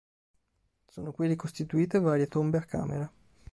Sono qui ricostituite varie tombe a camera.